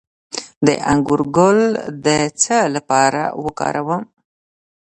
د انګور ګل د څه لپاره وکاروم؟